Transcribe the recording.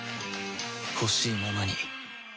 ほしいままに